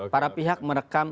para pihak merekam